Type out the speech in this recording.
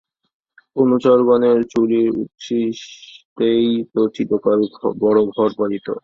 অনুচরগণের চুরির উচ্ছিষ্টেই তো চিরকাল বড়োঘর পালিত।